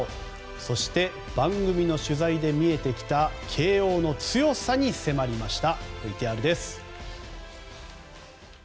そして、番組の取材で見えてきた慶応の強さに迫りました。